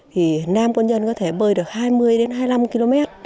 thì nam quân nhân có thể bơi được hai mươi đến hai mươi năm km